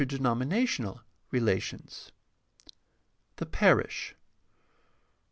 INTERDENOMINATIONAL RELATIONS The parish.